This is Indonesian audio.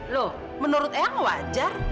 loh menurut eang wajar